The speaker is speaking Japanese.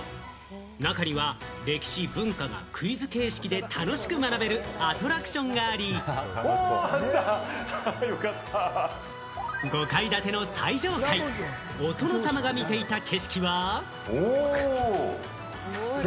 中には歴史、文化がクイズ形式で楽しく学べるアトラクションがあり、５階建ての最上階、お殿様が見ていた景色は。